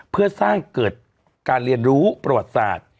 เพื่อสร้างเกิดการเรียนรู้ประวัติศาสตร์